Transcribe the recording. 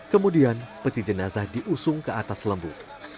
kemudian peti jenazah diusung ke atas lembu